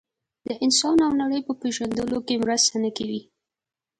د انسان او نړۍ په پېژندلو کې مرسته نه کوي.